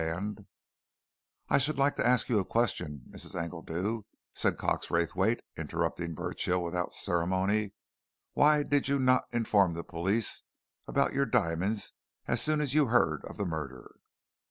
And " "I should like to ask you a question, Mrs. Engledew," said Cox Raythwaite, interrupting Burchill without ceremony. "Why did you not inform the police about your diamonds as soon as you heard of the murder?"